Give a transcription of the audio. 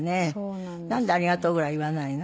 なんで「ありがとう」ぐらい言わないの？